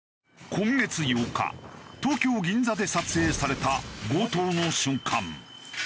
今月８日東京銀座で撮影された強盗の瞬間。